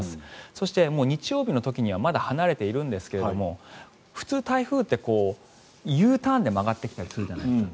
そして、日曜日の時にはまだ離れているんですが普通、台風ってＵターンで曲がってきたりするじゃないですか。